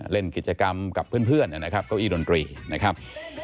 เล่นกิจกรรมกับเพื่อนนะครับเก้าอี้ดนตรีนะครับ